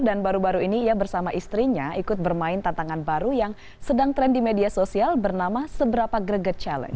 dan baru baru ini bersama istrinya ikut bermain tantangan baru yang sedang tren di media sosial bernama seberapa greget challenge